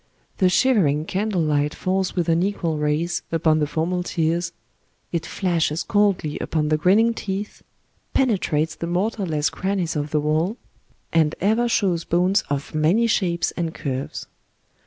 The shivering candlelight falls with unequal rays upon the formal tiers ; it flashes coldly upon the grin ning teeth, penetrates the mortarless crannies of the wall, and ever shows bones of many shapes and curves.